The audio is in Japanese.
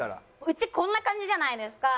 うちこんな感じじゃないですか。